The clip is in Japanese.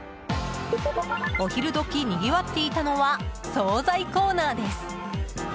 お昼時、にぎわっていたのは総菜コーナーです。